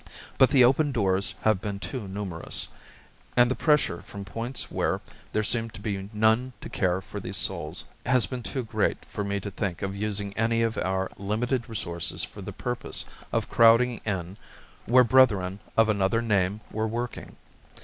But the open doors have been too numerous, and the pressure from points where there seemed to be none to care for these souls, has been too great, for me to think of using any of our limited resources for the purpose of crowding in where brethren of another name were working.